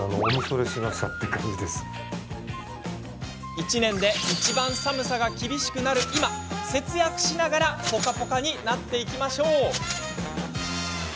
１年でいちばん寒さが厳しくなる今節約しながらぽかぽかになっていきましょう。